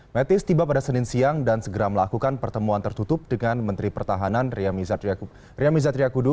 mattis tiba pada senin siang dan segera melakukan pertemuan tertutup dengan menteri pertahanan riamiza triakudu